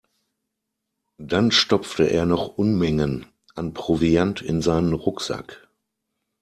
Dann stopfte er noch Unmengen an Proviant in seinen Rucksack.